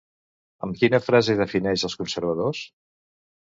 Amb quina frase defineix els conservadors?